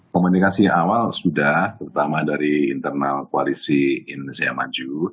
komunikasi awal sudah terutama dari internal koalisi indonesia maju